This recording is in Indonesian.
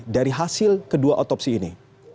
dari hasil kedua otopsi ini